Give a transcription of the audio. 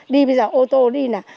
đi bây giờ ô tô đi nè